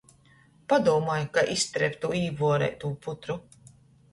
Padūmoj, kai izstrēbt tū īvuoreitū putru.